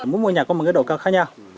mỗi ngôi nhà có một cái độ cao khác nhau